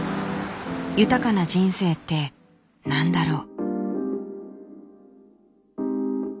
豊かな人生って何だろう。